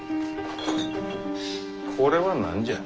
これは何じゃ？